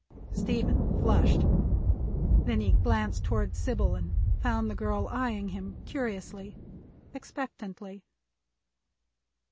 Stephen flushed. Then he glanced toward Sybil and found the girl eyeing him curiously, expectantly.